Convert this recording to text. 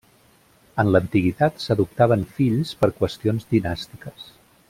En l'antiguitat s'adoptaven fills per qüestions dinàstiques.